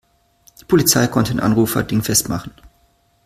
Die Polizei konnte den Anrufer dingfest machen.